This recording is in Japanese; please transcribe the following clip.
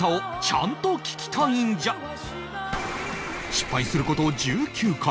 失敗する事１９回